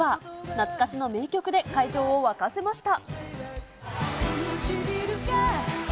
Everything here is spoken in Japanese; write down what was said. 懐かしの名曲で会場を沸かせました。